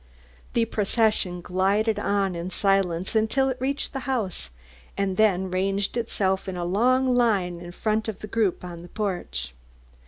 The procession glided on in silence until it reached the house, and then ranged itself in a long line in front of the group on the porch.